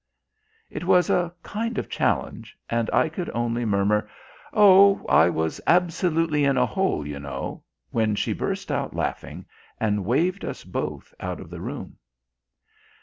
It was a kind of challenge, and I could only murmur: "Oh, I was absolutely in a hole, you know!" when she burst out laughing and waved us both out of the room.